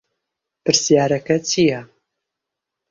پرسیارەکە چییە؟